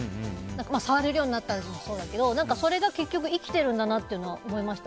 触れるようになったもそうだけどそれが結局生きてるなと思いました。